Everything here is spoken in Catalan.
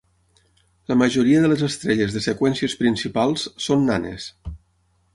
La majoria de les estrelles de seqüències principals són nanes.